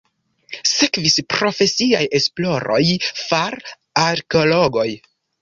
Sekvis profesiaj esploroj far arkeologoj.